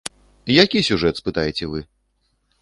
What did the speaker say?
Які сюжэт, спытаеце вы?